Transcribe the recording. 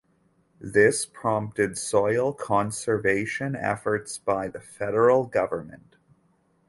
This prompted soil conservation efforts by the federal government.